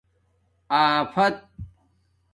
آفت